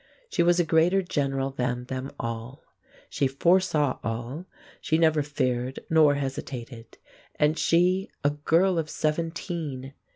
She was a greater general than them all. She foresaw all, she never feared nor hesitated and she a girl of seventeen!